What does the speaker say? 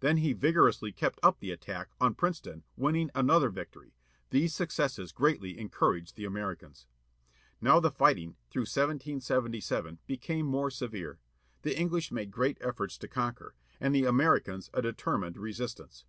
Then he vigorously kept up the attack, on Princeton, winning another victory. These successes greatly encouraged the Americans. Now the fighting, through 1777, became more severe. The English made great efforts to conquer. And the Americans a determined resistance.